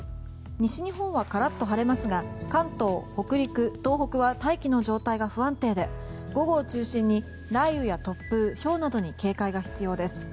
西日本はカラッと晴れますが関東、北陸、東北は大気の状態が不安定で午後を中心に雷雨や突風、ひょうなどに警戒が必要です。